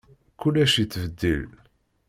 Kullec yettbeddil.